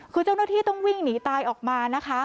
คือเจ้าหน้าที่ต้องวิ่งหนีตายออกมานะคะ